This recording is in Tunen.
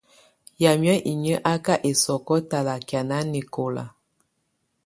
Yamɛ̀á inyǝ́ á ka ɛsɔkɔ talakɛá nanɛkɔla.